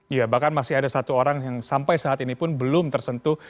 iya bahkan masih ada satu orang yang sampai saat ini pun belum tersentuh